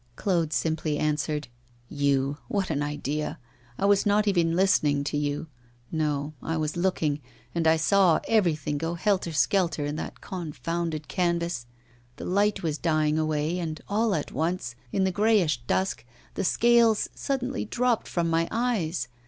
Claude simply answered: 'You! what an idea! I was not even listening to you. No; I was looking, and I saw everything go helter skelter in that confounded canvas. The light was dying away, and all at once, in the greyish dusk, the scales suddenly dropped from my eyes.